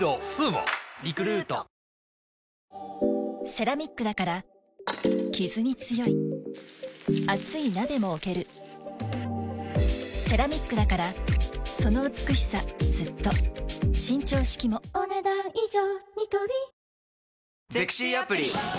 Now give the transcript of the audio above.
セラミックだからキズに強い熱い鍋も置けるセラミックだからその美しさずっと伸長式もお、ねだん以上。